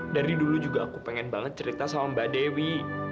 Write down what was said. dari dulu juga aku pengen banget cerita sama mbak dewi